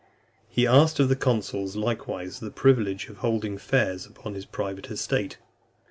He asked of the consuls likewise the privilege of holding fairs upon his private estate.